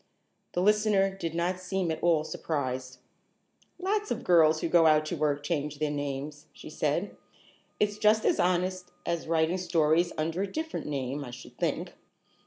The listener did not seem at all surprised. "Lots of girls who go out to work change their names," she said. "It's just as honest as writing stories under a different name, I should think."